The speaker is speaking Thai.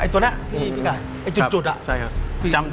ตัวนั้นตัวจุดอ่ะ